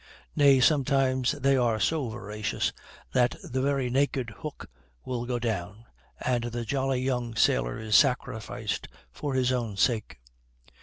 Nay, sometimes they are so voracious, that the very naked hook will go down, and the jolly young sailor is sacrificed for his own sake.